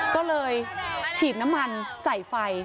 ก็เลยฉีดน้ำมันใส่ไฟ